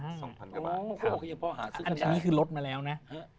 อันนี้คือลดมาแล้วนะ